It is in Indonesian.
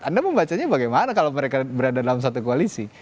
anda membacanya bagaimana kalau mereka berada dalam satu koalisi